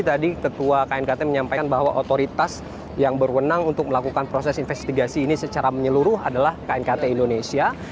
tadi ketua knkt menyampaikan bahwa otoritas yang berwenang untuk melakukan proses investigasi ini secara menyeluruh adalah knkt indonesia